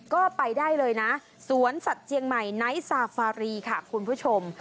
ก็ไปได้เลยนะสวนสัตว์เจียงใหม่ไนท์ซาฟารีค่ะคุณผู้ชม